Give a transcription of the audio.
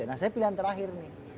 nah saya pilihan terakhir nih